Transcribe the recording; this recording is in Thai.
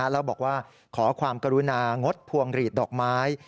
แล้วบอกว่าขอความกรุณางดพวงหลีดดอกไม้